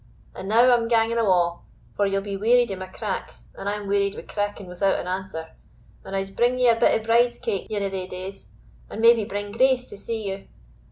And now I'm ganging awa', for ye'll be wearied o' my cracks, and I am wearied wi' cracking without an answer and I'se bring ye a bit o' bride's cake ane o' thae days, and maybe bring Grace to see you.